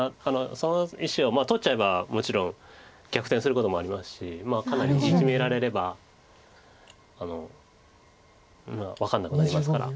その石を取っちゃえばもちろん逆転することもありますしかなりイジメられれば分かんなくなりますから。